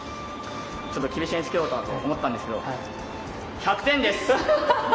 ちょっと厳しめにつけようかと思ったんですけど１００点です。